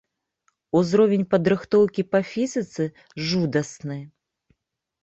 Узровень падрыхтоўкі па фізіцы жудасны.